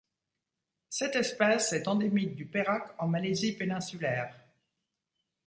Cette espèce est endémique du Perak en Malaisie péninsulaire.